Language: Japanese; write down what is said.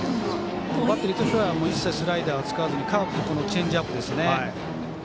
バッテリーとしては一切スライダーを使わずにカーブとチェンジアップですね。